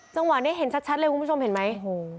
จังหวะนี้เห็นชัดเลยคุณผู้ชมเห็นไหม